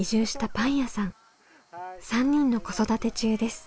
３人の子育て中です。